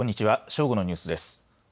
正午のニュースです。